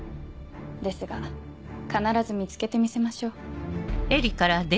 ですが必ず見つけてみせましょう。